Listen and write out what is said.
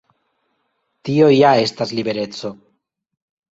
Tio ja estas libereco.